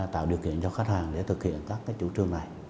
tạo điều kiện cho khách hàng để thực hiện các chủ trương này